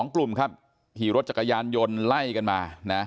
๒กลุ่มครับขี่รถจักรยานยนต์ไล่กันมานะ